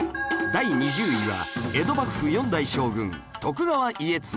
第２０位は江戸幕府４代将軍徳川家綱